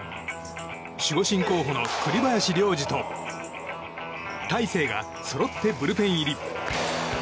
守護神候補の栗林良吏と大勢がそろってブルペン入り。